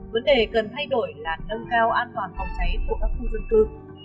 vấn đề cần thay đổi là nâng cao an toàn phòng cháy của các khu dân cư